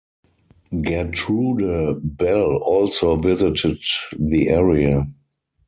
Gertrude Bell also visited the area.